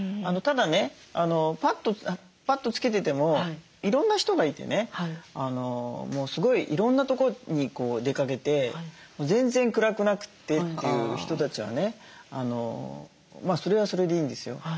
ただねパッドつけててもいろんな人がいてねもうすごいいろんなとこに出かけて全然暗くなくてっていう人たちはねそれはそれでいいんですよ。